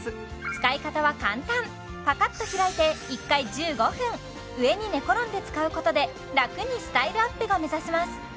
使い方は簡単パカッと開いて１回１５分上に寝転んで使うことで楽にスタイルアップが目指せます